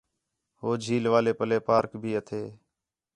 ہو جھیل والے پَلّے پارک بھی ہتھے